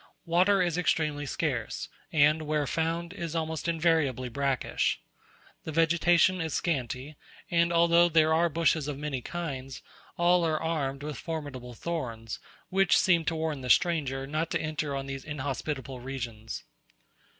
Water is extremely scarce, and, where found, is almost invariably brackish. The vegetation is scanty; and although there are bushes of many kinds, all are armed with formidable thorns, which seem to warn the stranger not to enter on these inhospitable regions.